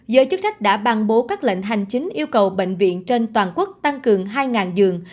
giới chức trách đã ban bố các lệnh hành chính yêu cầu bệnh viện trên toàn quốc tăng cường hai giường